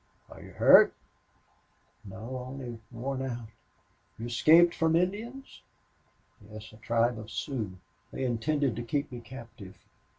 "Are you hurt?" "No only worn out." "You escaped from Indians?" "Yes a tribe of Sioux. They intended to keep me captive.